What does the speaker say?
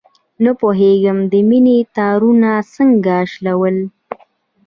نه پوهېږم، د مینې تارونه څنګه شلول.